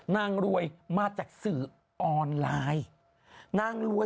นางรวยมาจากสื่อออนไลน์